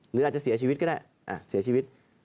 หรืออาจจะเสียชีวิต